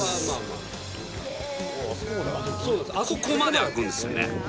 ここまで開くんですよね